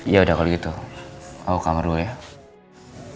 ya udah kalau gitu aku kamar dulu ya